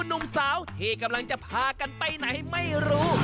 หนุ่มสาวที่กำลังจะพากันไปไหนไม่รู้